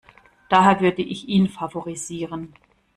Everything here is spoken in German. Daher würde ich ihn favorisieren.